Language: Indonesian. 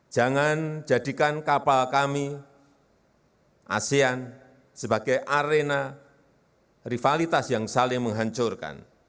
jangan jadikan kapal kami asean sebagai arena rivalitas yang saling menghancurkan